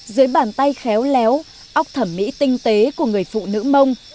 dưới bàn tay khéo léo óc thẩm mỹ tinh tế của người phụ nữ mông